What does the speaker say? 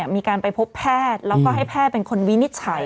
มีการไปพบแพทย์แล้วก็ให้แพทย์เป็นคนวินิจฉัย